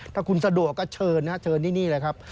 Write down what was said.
ถ้าคุณสะดวกก็เชิญนะเชิญที่นี่เลยครับ